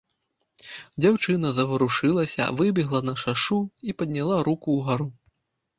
Дзяўчына заварушылася, выбегла на шашу і падняла руку ўгару.